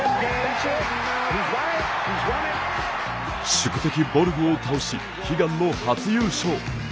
宿敵・ボルグを倒し悲願の初優勝。